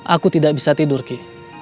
aku tidak bisa tidur ki